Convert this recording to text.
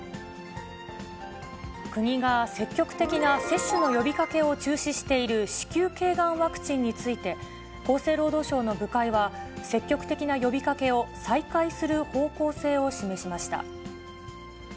国が積極的な接種の呼びかけを中止している子宮けいがんワクチンについて、厚生労働省の部会は、積極的な呼びかけを再開する方向性を示しました。